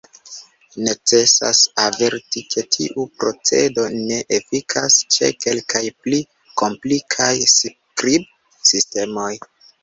Necesas averti, ke tiu procedo ne efikas ĉe kelkaj pli komplikaj skribsistemoj.